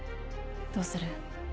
どうする？